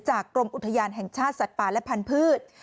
กรมอุทยานแห่งชาติสัตว์ป่าและพันธุ์